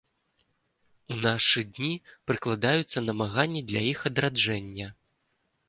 У нашы дні прыкладаюцца намаганні для іх адраджэння.